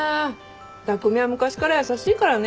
匠は昔から優しいからね。